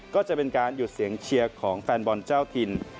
ก็จะเป็นการหยุดเสียงเชียร์ของแฟนบอลเจ้าถิ่น